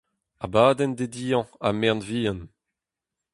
Abadenn dediañ ha merenn-vihan.